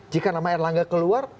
jika nama erlangga keluar